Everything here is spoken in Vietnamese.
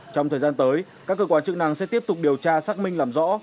trong thời gian tới các cơ quan chức năng sẽ tiếp tục điều tra xác minh làm rõ